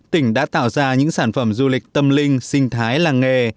tỉnh đã tạo ra những sản phẩm du lịch tâm linh sinh thái làng nghề